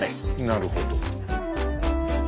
なるほど。